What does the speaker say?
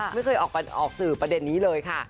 ไม่เคยออกสื่อประเด็นนี้เลยค่ะ